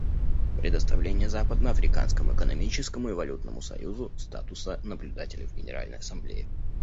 Предоставление Западноафриканскому экономическому и валютному союзу статуса наблюдателя в Генеральной Ассамблее.